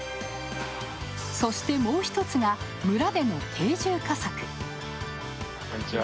そして、もう一つが村での定住化策。